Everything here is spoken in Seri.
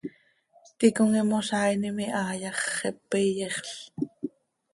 ticom imozaainim iha yax, xepe iyexl.